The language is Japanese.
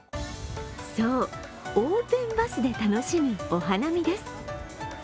そう、オープンバスで楽しむお花見です。